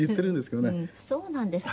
そうなんですか。